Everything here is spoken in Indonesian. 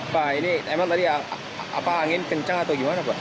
pak ini emang tadi angin kencang atau gimana pak